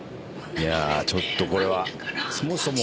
いやちょっとこれはそもそも。